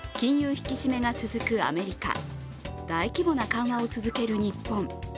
引き締めが続くアメリカ、大規模な緩和を続ける日本。